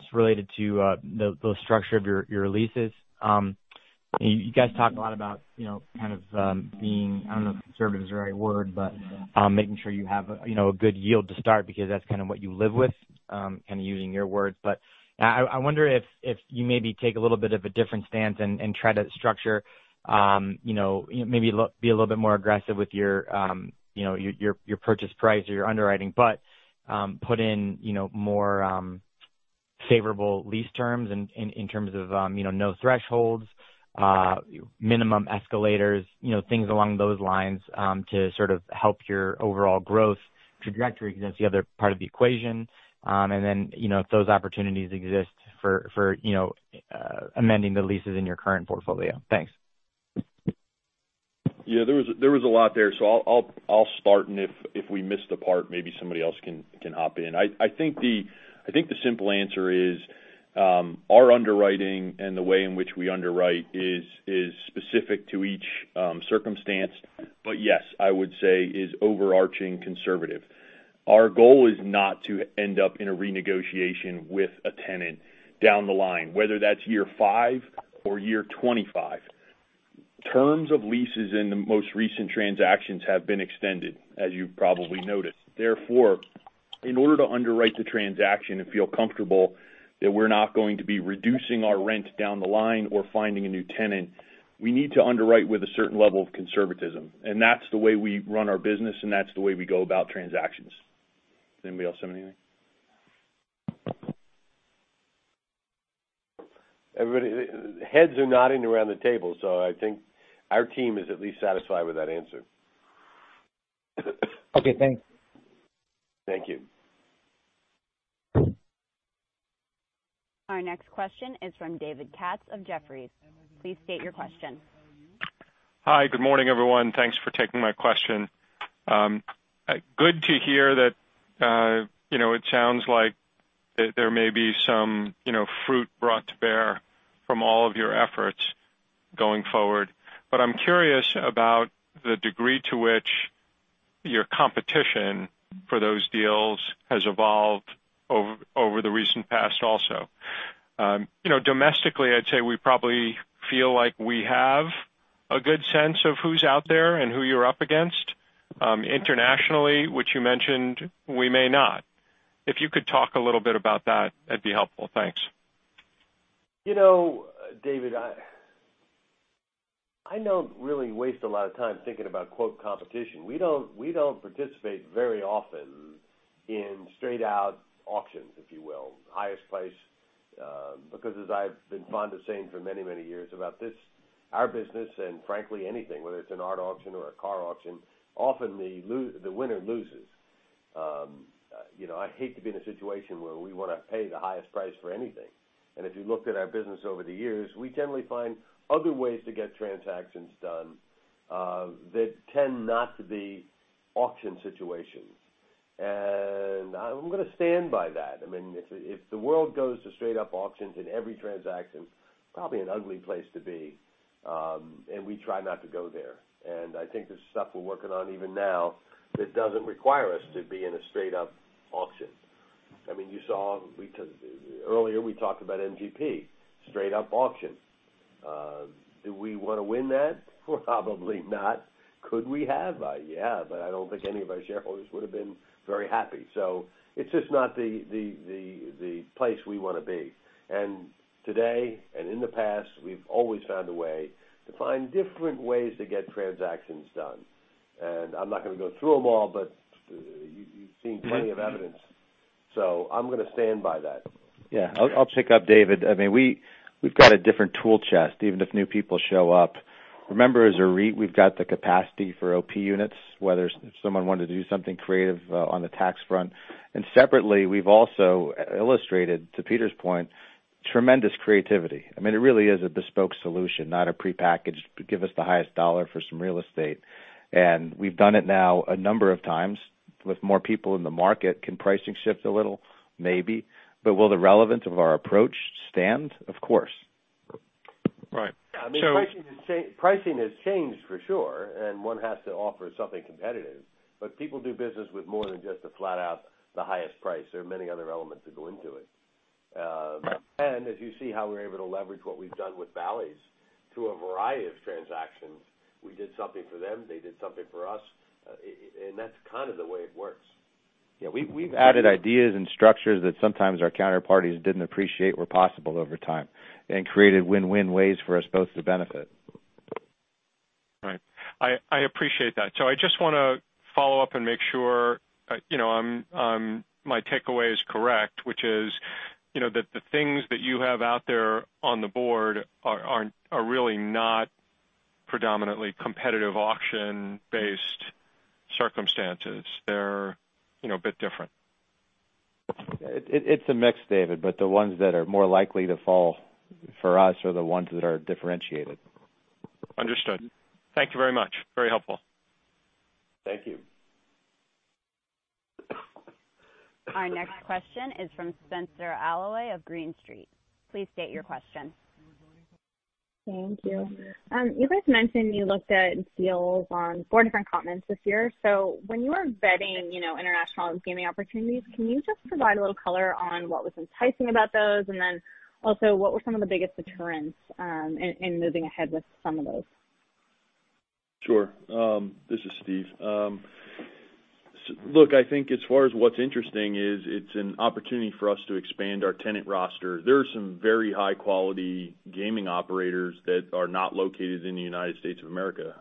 just related to the structure of your leases. You guys talk a lot about, you know, kind of, being, I don't know if conservative is the right word, but, making sure you have, you know, a good yield to start because that's kind of what you live with, kind of using your words. I wonder if you maybe take a little bit of a different stance and try to structure you know maybe be a little bit more aggressive with your you know your purchase price or your underwriting but put in you know more favorable lease terms in terms of you know no thresholds minimum escalators you know things along those lines to sort of help your overall growth trajectory because that's the other part of the equation. You know if those opportunities exist for you know amending the leases in your current portfolio. Thanks. Yeah, there was a lot there. I'll start, and if we missed a part, maybe somebody else can hop in. I think the simple answer is, our underwriting and the way in which we underwrite is specific to each circumstance. But yes, I would say is overarching conservative. Our goal is not to end up in a renegotiation with a tenant down the line, whether that's year 5 or year 25. Terms of leases in the most recent transactions have been extended, as you probably noted. Therefore, in order to underwrite the transaction and feel comfortable that we're not going to be reducing our rent down the line or finding a new tenant, we need to underwrite with a certain level of conservatism. That's the way we run our business, and that's the way we go about transactions. Anybody else have anything? Everybody. Heads are nodding around the table, so I think our team is at least satisfied with that answer. Okay, thanks. Thank you. Our next question is from David Katz of Jefferies. Please state your question. Hi. Good morning, everyone. Thanks for taking my question. Good to hear that, you know, it sounds like there may be some, you know, fruit brought to bear from all of your efforts going forward. I'm curious about the degree to which your competition for those deals has evolved over the recent past also. You know, domestically, I'd say we probably feel like we have a good sense of who's out there and who you're up against. Internationally, which you mentioned, we may not. If you could talk a little bit about that'd be helpful. Thanks. You know, David, I don't really waste a lot of time thinking about, quote, "competition." We don't participate very often in straight out auctions, if you will, highest price, because as I've been fond of saying for many, many years about this, our business and frankly, anything, whether it's an art auction or a car auction, often the winner loses. You know, I hate to be in a situation where we wanna pay the highest price for anything. If you looked at our business over the years, we generally find other ways to get transactions done, that tend not to be auction situations. I'm gonna stand by that. I mean, if the world goes to straight up auctions in every transaction, probably an ugly place to be, and we try not to go there. I think there's stuff we're working on even now that doesn't require us to be in a straight up auction. I mean, you saw earlier we talked about MGP, straight up auction. Do we wanna win that? Probably not. Could we have? Yeah, but I don't think any of our shareholders would have been very happy. It's just not the place we wanna be. Today and in the past, we've always found a way to find different ways to get transactions done. I'm not gonna go through them all, but you've seen plenty of evidence. So I'm gonna stand by that. Yeah. I'll pick up, David. I mean, we've got a different tool chest, even if new people show up. Remember, as a REIT, we've got the capacity for OP units, whether it's someone wanted to do something creative on the tax front. Separately, we've also illustrated, to Peter's point, tremendous creativity. I mean, it really is a bespoke solution, not a prepackaged, give us the highest dollar for some real estate. We've done it now a number of times. With more people in the market, can pricing shift a little? Maybe. But will the relevance of our approach stand? Of course. Right. I mean, pricing has changed for sure, and one has to offer something competitive. People do business with more than just a flat out the highest price. There are many other elements that go into it. As you see how we're able to leverage what we've done with Bally's to a variety of transactions, we did something for them, they did something for us, and that's kind of the way it works. Yeah, we've added ideas and structures that sometimes our counterparties didn't appreciate were possible over time and created win-win ways for us both to benefit. Right. I appreciate that. I just wanna follow up and make sure, you know, my takeaway is correct, which is, you know, that the things that you have out there on the board are really not predominantly competitive auction-based circumstances. They're, you know, a bit different. It's a mix, David, but the ones that are more likely to fall for us are the ones that are differentiated. Understood. Thank you very much. Very helpful. Thank you. Our next question is from Spenser Allaway of Green Street. Please state your question. Thank you. You guys mentioned you looked at deals on four different continents this year. When you are vetting, you know, international gaming opportunities, can you just provide a little color on what was enticing about those? Then also, what were some of the biggest deterrents in moving ahead with some of those? Sure. This is Steve. Look, I think as far as what's interesting is it's an opportunity for us to expand our tenant roster. There are some very high-quality gaming operators that are not located in the United States of America.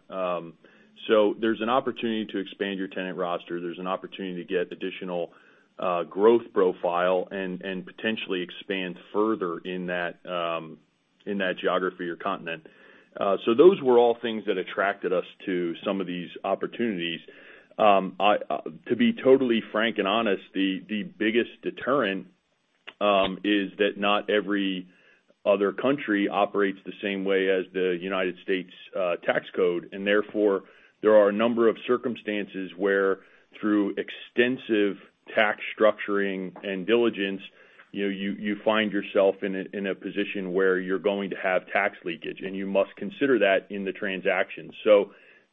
There's an opportunity to expand your tenant roster. There's an opportunity to get additional, growth profile and potentially expand further in that, in that geography or continent. Those were all things that attracted us to some of these opportunities. To be totally frank and honest, the biggest deterrent Is that not every other country operates the same way as the United States tax code. Therefore, there are a number of circumstances where through extensive tax structuring and diligence, you know, you find yourself in a position where you're going to have tax leakage, and you must consider that in the transaction.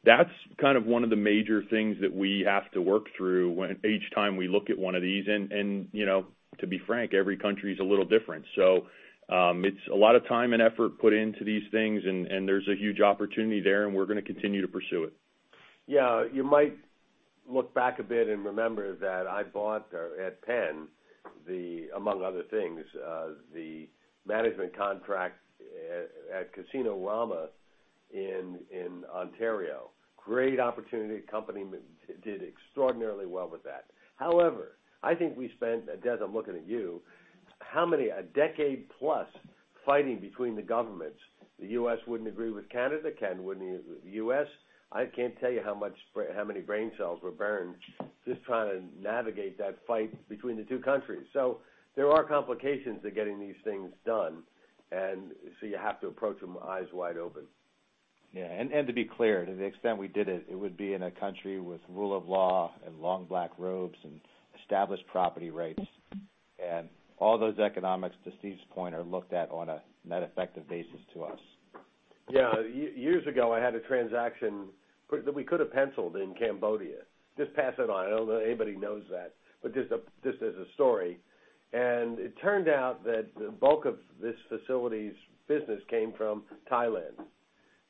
That's kind of one of the major things that we have to work through when each time we look at one of these. You know, to be frank, every country is a little different. It's a lot of time and effort put into these things, and there's a huge opportunity there, and we're gonna continue to pursue it. Yeah. You might look back a bit and remember that I bought at Penn, among other things, the management contract at Casino Rama in Ontario. Great opportunity. Company did extraordinarily well with that. However, I think we spent, and Des, I'm looking at you, how many? A decade plus fighting between the governments. The U.S. wouldn't agree with Canada wouldn't agree with the U.S. I can't tell you how many brain cells were burned just trying to navigate that fight between the two countries. There are complications to getting these things done. You have to approach them eyes wide open. Yeah. To be clear, to the extent we did it would be in a country with rule of law and long black robes and established property rights. All those economics, to Steve's point, are looked at on a net effective basis to us. Yeah. Years ago, I had a transaction that we could have penciled in Cambodia. Just pass it on. I don't know anybody knows that, but just as a story. It turned out that the bulk of this facility's business came from Thailand.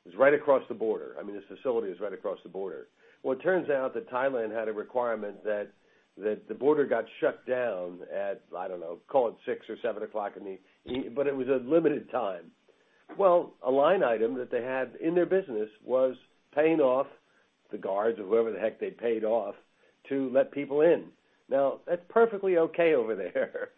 It's right across the border. I mean, this facility is right across the border. Well, it turns out that Thailand had a requirement that the border got shut down at, I don't know, call it six or seven o'clock in the evening, but it was a limited time. Well, a line item that they had in their business was paying off the guards or whoever the heck they paid off to let people in. Now, that's perfectly okay over there.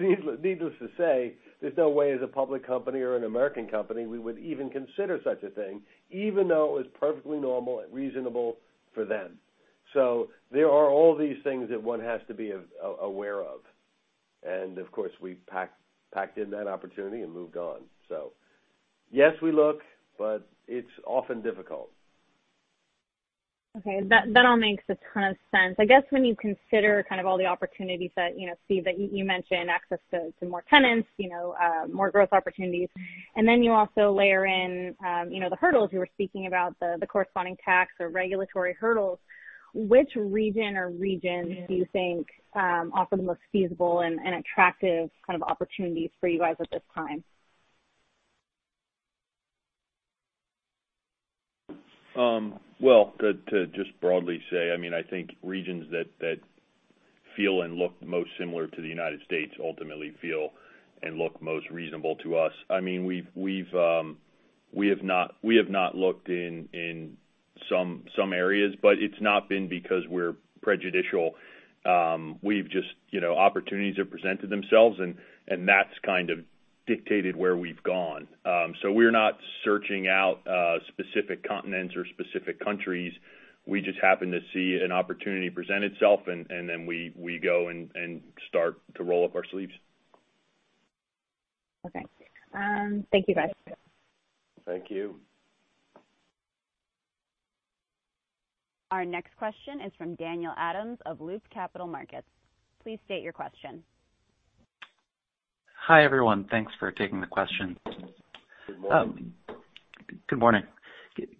Needless to say, there's no way as a public company or an American company, we would even consider such a thing, even though it was perfectly normal and reasonable for them. There are all these things that one has to be aware of. Of course, we packed in that opportunity and moved on. Yes, we look, but it's often difficult. Okay. That all makes a ton of sense. I guess when you consider kind of all the opportunities that you know, Steve, that you mentioned, access to more tenants, you know, more growth opportunities. You also layer in you know the hurdles you were speaking about, the corresponding tax or regulatory hurdles, which region or regions do you think offer the most feasible and attractive kind of opportunities for you guys at this time? Well, to just broadly say, I mean, I think regions that feel and look most similar to the United States ultimately feel and look most reasonable to us. I mean, we have not looked in some areas, but it's not been because we're prejudicial. We've just, you know, opportunities have presented themselves and that's kind of dictated where we've gone. We're not searching out specific continents or specific countries. We just happen to see an opportunity present itself, and then we go and start to roll up our sleeves. Okay. Thank you, guys. Thank you. Our next question is from Daniel Adam of Loop Capital Markets. Please state your question. Hi, everyone. Thanks for taking the question. Good morning. Good morning.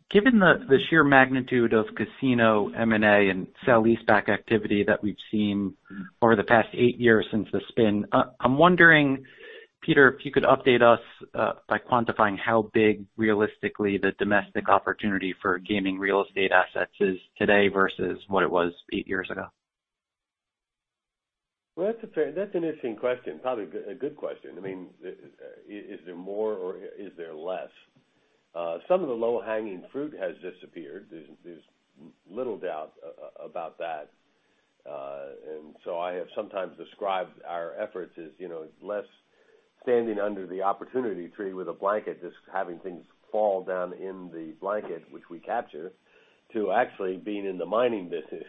Given the sheer magnitude of casino M&A and sale leaseback activity that we've seen over the past eight years since the spin, I'm wondering, Peter, if you could update us by quantifying how big, realistically, the domestic opportunity for gaming real estate assets is today versus what it was eight years ago. Well, that's an interesting question. Probably a good question. I mean, is there more or is there less? Some of the low-hanging fruit has disappeared. There's little doubt about that. I have sometimes described our efforts as, you know, less standing under the opportunity tree with a blanket, just having things fall down in the blanket, which we capture, to actually being in the mining business.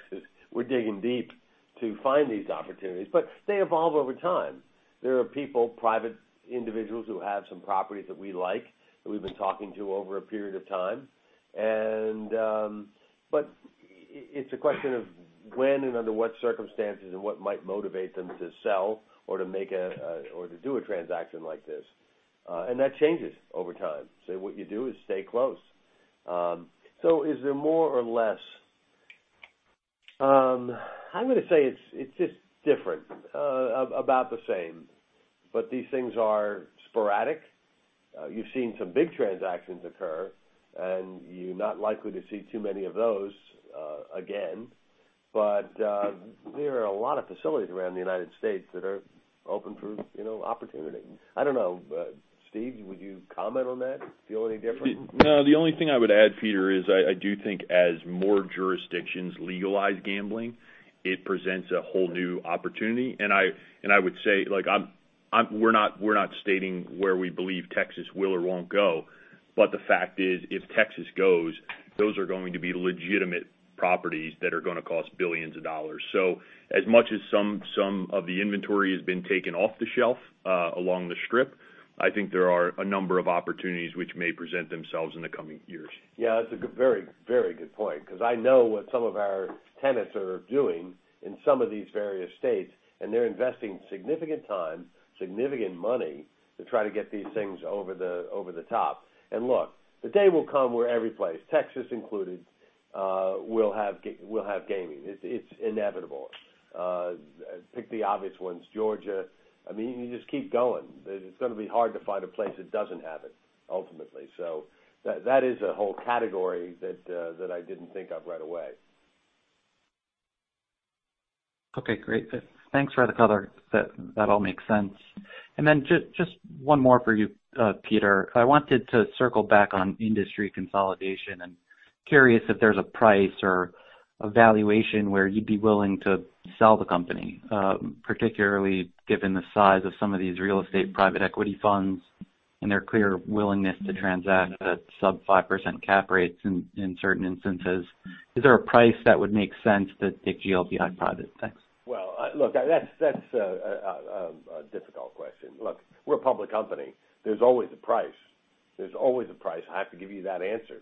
We're digging deep to find these opportunities, but they evolve over time. There are people, private individuals, who have some properties that we like, that we've been talking to over a period of time. But it's a question of when and under what circumstances and what might motivate them to sell or to make or to do a transaction like this. That changes over time. What you do is stay close. Is there more or less? I'm gonna say it's just different. About the same. These things are sporadic. You've seen some big transactions occur, and you're not likely to see too many of those again. There are a lot of facilities around the United States that are open for, you know, opportunity. I don't know. Steve, would you comment on that? Feel any different? No. The only thing I would add, Peter, is I do think as more jurisdictions legalize gambling, it presents a whole new opportunity. I would say, we're not stating where we believe Texas will or won't go, but the fact is, if Texas goes, those are going to be legitimate properties that are gonna cost billions of dollars. As much as some of the inventory has been taken off the shelf along the Strip, I think there are a number of opportunities which may present themselves in the coming years. Yeah, that's a very, very good point, 'cause I know what some of our tenants are doing in some of these various states, and they're investing significant time, significant money to try to get these things over the top. Look, the day will come where every place, Texas included, will have gaming. It's inevitable. Pick the obvious ones, Georgia. I mean, you just keep going. It's gonna be hard to find a place that doesn't have it, ultimately. That is a whole category that I didn't think of right away. Okay, great. Thanks for the color. That all makes sense. Just one more for you, Peter. I wanted to circle back on industry consolidation. I'm curious if there's a price or a valuation where you'd be willing to sell the company, particularly given the size of some of these real estate private equity funds and their clear willingness to transact at sub-5% cap rates in certain instances. Is there a price that would make sense to take GLPI private? Thanks. Well, look, that's a difficult question. Look, we're a public company. There's always a price. I have to give you that answer.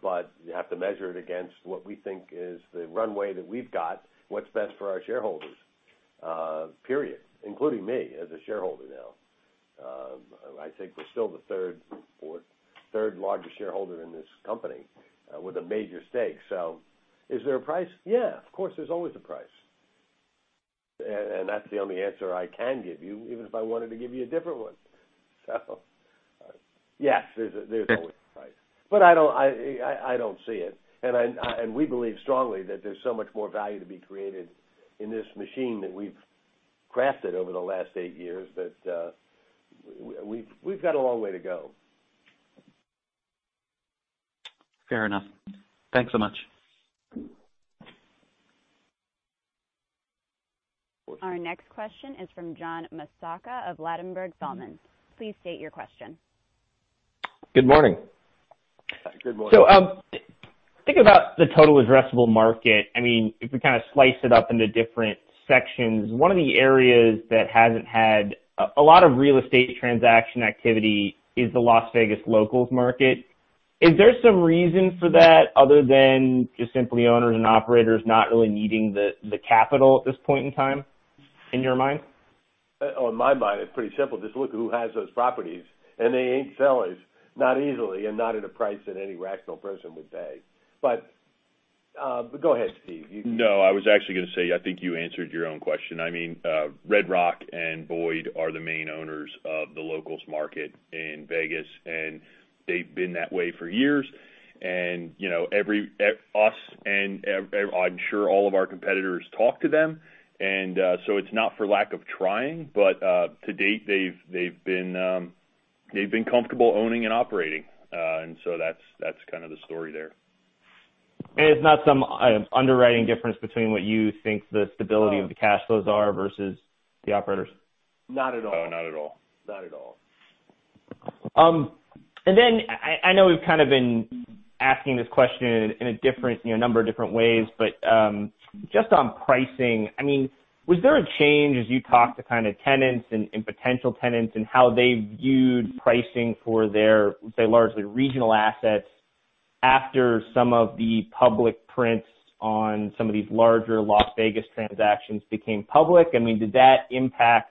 But you have to measure it against what we think is the runway that we've got, what's best for our shareholders, period, including me as a shareholder now. I think we're still the third largest shareholder in this company, with a major stake. Is there a price? Yeah, of course, there's always a price. And that's the only answer I can give you, even if I wanted to give you a different one. Yes, there's always a price. But I don't see it. We believe strongly that there's so much more value to be created in this machine that we've crafted over the last eight years, that we've got a long way to go. Fair enough. Thanks so much. Our next question is from John Massocca of Ladenburg Thalmann. Please state your question. Good morning. Good morning. Thinking about the total addressable market, I mean, if we kinda slice it up into different sections, one of the areas that hasn't had a lot of real estate transaction activity is the Las Vegas locals market. Is there some reason for that other than just simply owners and operators not really needing the capital at this point in time, in your mind? On my mind, it's pretty simple. Just look at who has those properties, and they ain't sellers, not easily and not at a price that any rational person would pay. Go ahead, Steve. You can- No, I was actually gonna say, I think you answered your own question. I mean, Red Rock and Boyd are the main owners of the locals market in Vegas, and they've been that way for years. You know, us and everybody, I'm sure all of our competitors talk to them. It's not for lack of trying, but to date, they've been comfortable owning and operating. That's kind of the story there. It's not some underwriting difference between what you think the stability of the cash flows are versus the operators? Not at all. No, not at all. Not at all. I know we've kind of been asking this question in a number of different ways, but just on pricing, I mean, was there a change as you talked to kind of tenants and potential tenants and how they viewed pricing for their, say, largely regional assets after some of the public prints on some of these larger Las Vegas transactions became public? I mean, did that impact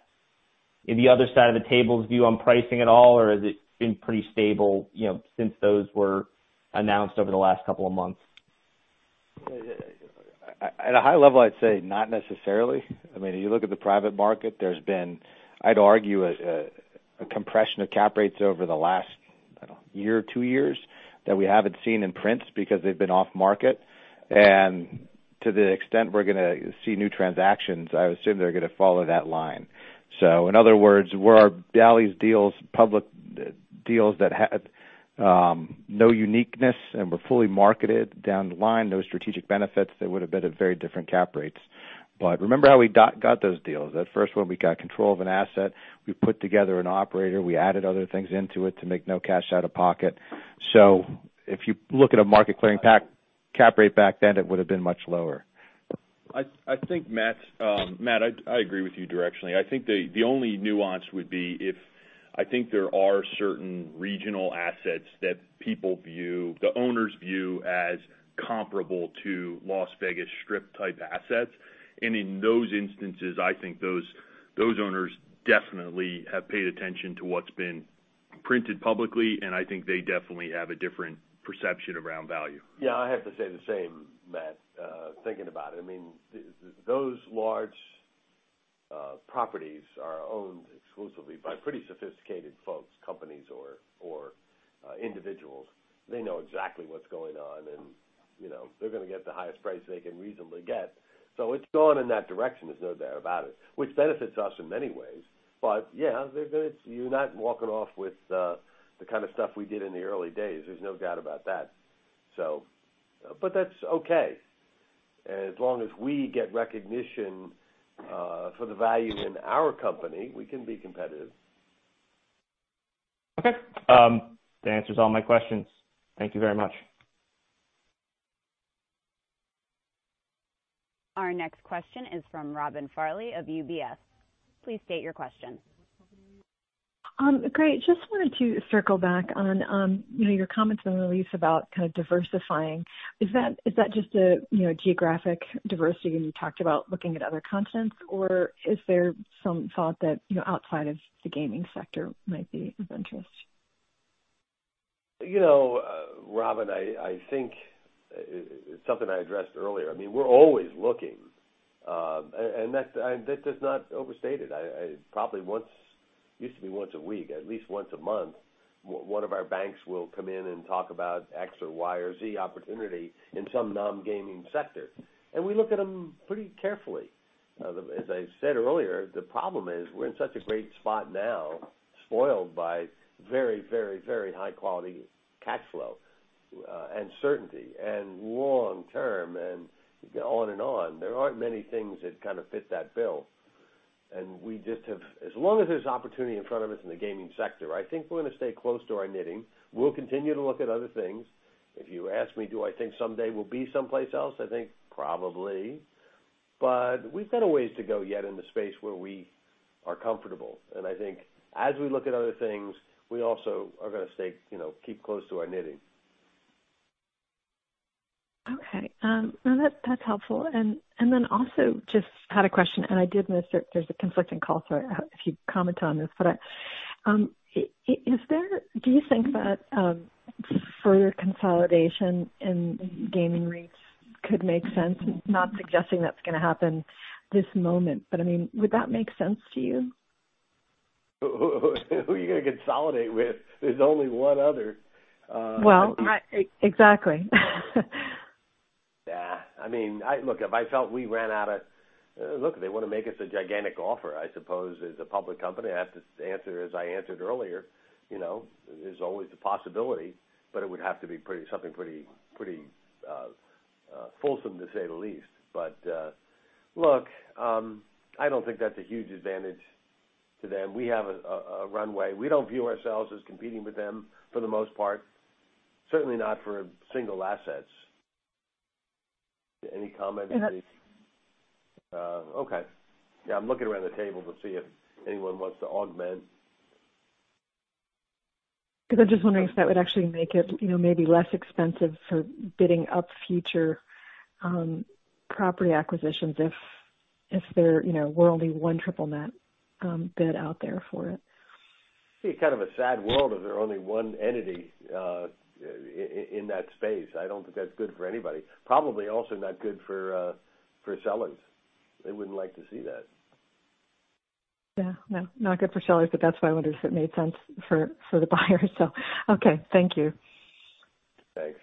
the other side of the table's view on pricing at all, or has it been pretty stable, you know, since those were announced over the last couple of months? At a high level, I'd say not necessarily. I mean, if you look at the private market, there's been, I'd argue, a compression of cap rates over the last, I don't know, year or two years that we haven't seen in prints because they've been off market. To the extent we're gonna see new transactions, I assume they're gonna follow that line. In other words, were our Bally's deals public deals that had no uniqueness and were fully marketed down the line, no strategic benefits, they would have been at very different cap rates. Remember how we got those deals. At first when we got control of an asset, we put together an operator, we added other things into it to make no cash out of pocket. If you look at a market clearing cap rate back then, it would have been much lower. I think, Matt, I agree with you directionally. I think the only nuance would be if, I think there are certain regional assets that people view, the owners view as comparable to Las Vegas Strip-type assets. In those instances, I think those owners definitely have paid attention to what's been printed publicly, and I think they definitely have a different perception around value. Yeah, I have to say the same, Matt, thinking about it. I mean, those large properties are owned exclusively by pretty sophisticated folks, companies or individuals. They know exactly what's going on and, you know, they're gonna get the highest price they can reasonably get. It's going in that direction, there's no doubt about it, which benefits us in many ways. Yeah, you're not walking off with the kind of stuff we did in the early days. There's no doubt about that. That's okay. As long as we get recognition for the value in our company, we can be competitive. Okay. That answers all my questions. Thank you very much. Our next question is from Robin Farley of UBS. Please state your question. Great. Just wanted to circle back on, you know, your comments on the release about kind of diversifying. Is that just a, you know, geographic diversity, and you talked about looking at other continents? Or is there some thought that, you know, outside of the gaming sector might be of interest? You know, Robin, I think it's something I addressed earlier. I mean, we're always looking, and that is not overstated. It used to be once a week, at least once a month, one of our banks will come in and talk about X or Y or Z opportunity in some non-gaming sector. We look at them pretty carefully. As I said earlier, the problem is we're in such a great spot now, spoiled by very high quality cash flow, and certainty and long-term, and on and on. There aren't many things that kind of fit that bill. As long as there's opportunity in front of us in the gaming sector, I think we're gonna stay close to our knitting. We'll continue to look at other things. If you ask me, do I think someday we'll be someplace else? I think probably. We've got a ways to go yet in the space where we are comfortable. I think as we look at other things, we also are gonna stay, you know, keep close to our knitting. Okay. No, that's helpful. I just had a question, and I did miss it. There's a conflicting call, so if you'd comment on this. Do you think that further consolidation in gaming REITs could make sense? Not suggesting that's gonna happen this moment, but I mean, would that make sense to you? Who are you gonna consolidate with? There's only one other. Well, exactly. Yeah. I mean, look, they wanna make us a gigantic offer. I suppose as a public company, I have to answer as I answered earlier, you know, there's always a possibility, but it would have to be something pretty fulsome, to say the least. Look, I don't think that's a huge advantage to them. We have a runway. We don't view ourselves as competing with them for the most part, certainly not for single assets. Any comment? No. Okay. Yeah, I'm looking around the table to see if anyone wants to augment. Because I'm just wondering if that would actually make it, you know, maybe less expensive for bidding up future property acquisitions if there, you know, were only one triple net bid out there for it. It'd be kind of a sad world if there were only one entity in that space. I don't think that's good for anybody. Probably also not good for sellers. They wouldn't like to see that. Yeah. No, not good for sellers, but that's why I wonder if it made sense for the buyers. Okay. Thank you. Thanks.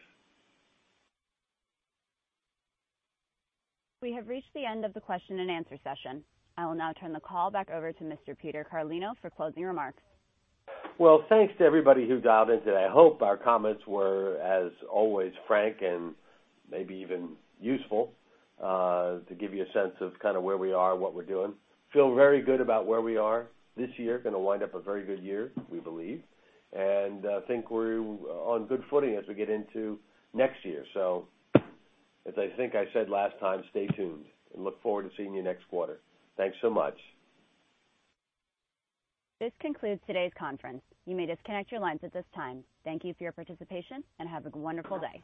We have reached the end of the question and answer session. I will now turn the call back over to Mr. Peter Carlino for closing remarks. Well, thanks to everybody who dialed in today. I hope our comments were, as always, frank and maybe even useful, to give you a sense of kinda where we are and what we're doing. Feel very good about where we are this year, gonna wind up a very good year, we believe. Think we're on good footing as we get into next year. As I think I said last time, stay tuned. Look forward to seeing you next quarter. Thanks so much. This concludes today's conference. You may disconnect your lines at this time. Thank you for your participation, and have a wonderful day.